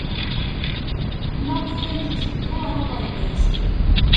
Maɣef ay yetteddu ɣer uɣerbaz?